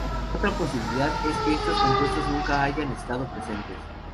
Otra posibilidad es que estos compuestos nunca hayan estado presentes.